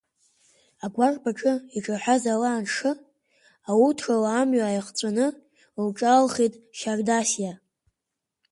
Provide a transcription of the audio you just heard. Агәарԥ аҿы иҿаҳәаз ала аншы, ауҭрала амҩа ааихҵәаны, лҿаалхеит Шьардасиа.